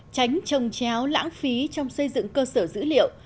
tránh trồng chéo lãng phí trong xây dựng cơ sở dữ liệu